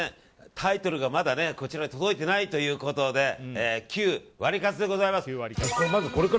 タイトルがまだこちらに届いてないということで旧ワリカツでございます。